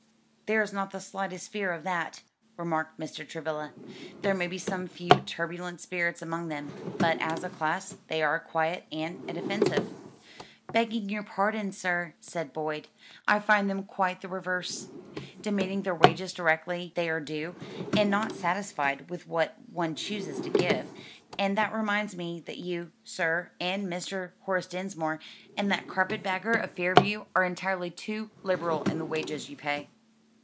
"There is not the slightest fear of that," remarked Mr. Travilla, "there may be some few turbulent spirits among them, but as a class they are quiet and inoffensive." "Begging your pardon, sir," said Boyd, "I find them quite the reverse; demanding their wages directly they are due, and not satisfied with what one chooses to give. And that reminds me that you, sir, and Mr. Horace Dinsmore, and that carpet bagger of Fairview are entirely too liberal in the wages you pay."